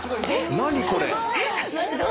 何これ。